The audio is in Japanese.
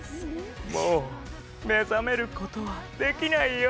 もう目覚めることはできないよ